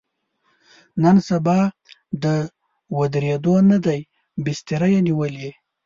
نن سبا د ودرېدو نه دی، بستره یې نیولې.